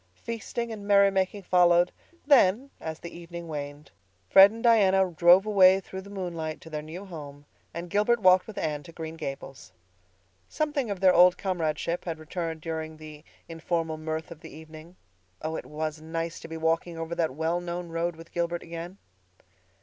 Feasting and merry making followed; then, as the evening waned, Fred and Diana drove away through the moonlight to their new home, and Gilbert walked with Anne to Green Gables. Something of their old comradeship had returned during the informal mirth of the evening. Oh, it was nice to be walking over that well known road with Gilbert again!